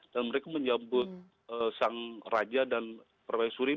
dan mereka menjemput sang raja dan permaisuri